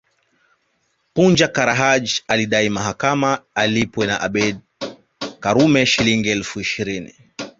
Punja Kara Haji alidai mahakamani alipwe na Abeid Karume Shilingi elfu ishirini